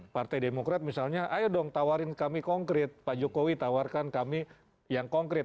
partai demokrat misalnya ayo dong tawarin kami konkret pak jokowi tawarkan kami yang konkret